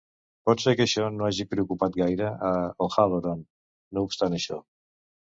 Pot ser que això no hagi preocupat gaire a O'Halloran, no obstant això.